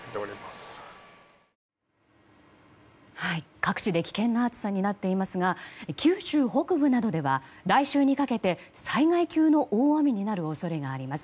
各地で危険な暑さになっていますが九州北部などでは来週にかけて災害級の大雨になる恐れがあります。